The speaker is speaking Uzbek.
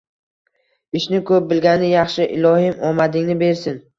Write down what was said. Ishni ko`p bo`lgani yaxshi, ilohim omadingni bersin